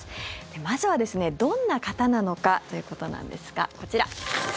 まずは、どんな方なのかということなんですが、こちら。